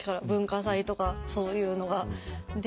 文化祭とかそういうのが。